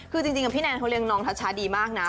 คือจริงพี่แนนเขาเลี้ยน้องทัชชาดีมากนะ